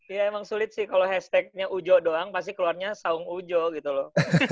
ya emang sulit sih kalau hashtagnya ujo doang pasti keluarnya saung ujo gitu loh